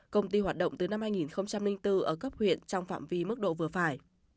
công ty hoạt động từ năm hai nghìn bốn ở cấp huyện trong phạm vi mức độ vừa phải